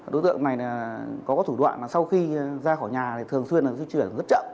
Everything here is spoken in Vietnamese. đối tượng này có thủ đoạn mà sau khi ra khỏi nhà thì thường xuyên là di chuyển rất chậm